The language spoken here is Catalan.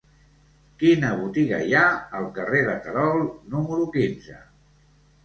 Quina botiga hi ha al carrer de Terol número quinze?